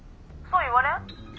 そう言われん？